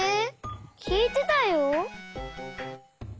きいてたよ！